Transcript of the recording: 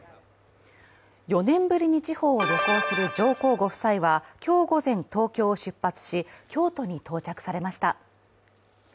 ４年ぶりに地方を旅行する上皇ご夫妻は、今日午前、東京を出発し、京都に到着されました。